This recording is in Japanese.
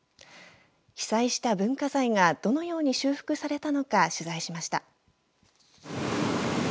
被災した文化財がどのように修復されたのか取材しました。